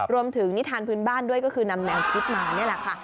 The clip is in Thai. นิทานพื้นบ้านด้วยก็คือนำแนวคิดมานี่แหละค่ะ